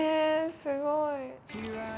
すごい。